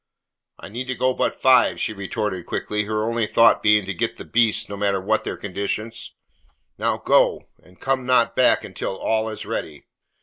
"I need to go but five," she retorted quickly, her only thought being to get the beasts, no matter what their condition. "Now, go, and come not back until all is ready.